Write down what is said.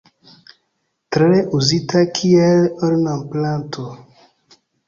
Tre uzita kiel ornamplanto.